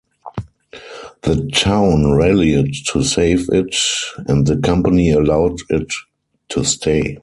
The town rallied to save it, and the company allowed it to stay.